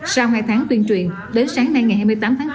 sau hai tháng tuyên truyền đến sáng nay ngày hai mươi tám tháng năm